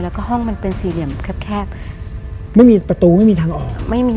แล้วก็ห้องมันเป็นสี่เหลี่ยมแคบไม่มีประตูไม่มีทางออกไม่มี